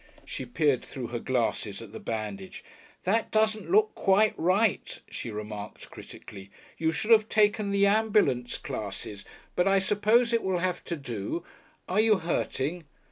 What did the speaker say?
She peered through her glasses at the bandage. "That doesn't look quite right," she remarked critically. "You should have taken the ambulance classes. But I suppose it will have to do. Are you hurting?"